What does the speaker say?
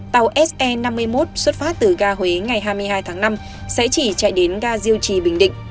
tàu se năm mươi một xuất phát từ ga huế ngày hai mươi hai tháng năm sẽ chỉ chạy đến ga diêu trì bình định